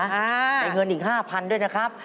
ในเงินอีก๕๐๐๐ด้วยนะครับ